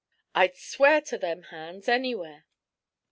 'I'D SWEAR TO THEM HANDS ANYWHERE.'